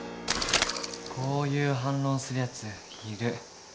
こういう反論するやついる。